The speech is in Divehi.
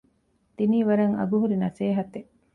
ދިނީ ވަރަށް އަގުހުރި ނަސޭހަތެއް